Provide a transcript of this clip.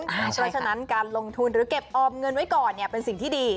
เพราะฉะนั้นการลงทุนหรือเก็บออมเงินไว้ก่อนเป็นสิ่งที่ดี